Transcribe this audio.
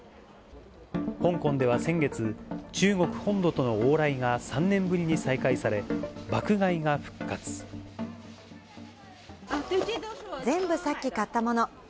香港では先月、中国本土との往来が３年ぶりに再開され、爆買いが全部、さっき買ったもの。